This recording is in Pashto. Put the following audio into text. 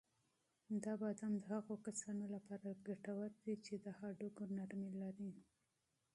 دا بادام د هغو کسانو لپاره ګټور دي چې د هډوکو نرمي لري.